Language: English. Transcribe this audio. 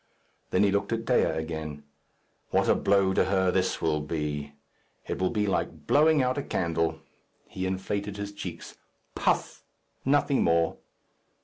Then he looked at Dea again. "What a blow to her this will be! It will be like blowing out a candle." He inflated his cheeks. "Puff! nothing more."